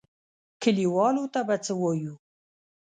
کليوالو ته به څه وايو؟